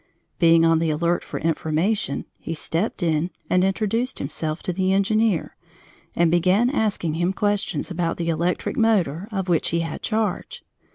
Being on the alert for information, he stepped in and introduced himself to the engineer, and began asking him questions about the electric motor of which he had charge.